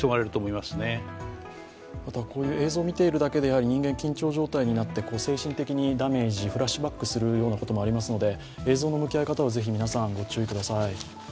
またこういう映像を見ているだけで人間は精神的にダメージ、フラッシュバックするようなこともありますので、映像の向き合い方はぜひ皆さんご注意ください。